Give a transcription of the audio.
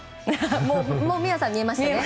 もう美和さんには見えましたね。